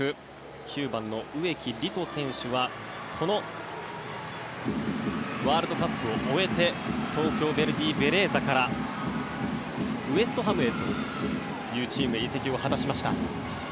９番の植木理子選手はこのワールドカップを終えて東京ヴェルディベレーザからウェストハムというチームへ移籍を果たしました。